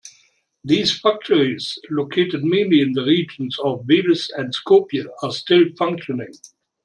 These factories, located mainly in the regions of Veles and Skopje are still functioning.